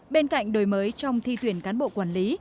bên cạnh đổi mới trong thi tuyển cán bộ quản lý